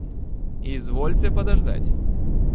Извольте подождать.